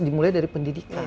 dimulai dari pendidikan